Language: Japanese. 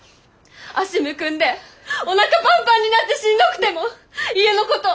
足むくんでおなかパンパンになってしんどくても家のこと